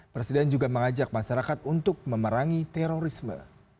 presiden juga mengajak masyarakat untuk memerangi terorisme